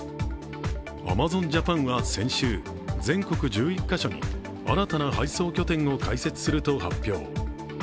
アマゾンジャパンは先週、全国１１か所に新たな配送拠点を開設すると発表。